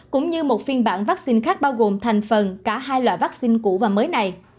cũng như một phiên bản vaccine khác bao gồm thành phần cả hai loại vaccine cũ và mới này